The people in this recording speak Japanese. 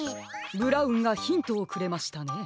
ブラウンがヒントをくれましたね。